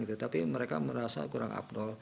tapi mereka merasa kurang abdol